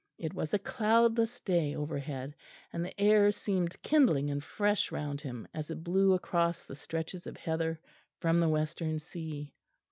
It was a cloudless day overhead, and the air seemed kindling and fresh round him as it blew across the stretches of heather from the western sea.